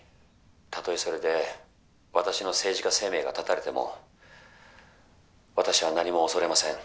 たとえそれで私の政治家生命が絶た私は何も恐れません。